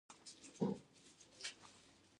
ژوند ته لومړیتوب ورکړو